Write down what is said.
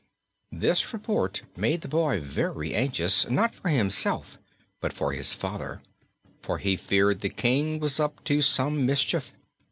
This report made the boy very anxious, not for himself but for his father, for he feared the King was up to some mischief.